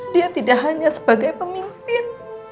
dia tidak hanya sebagai pemimpin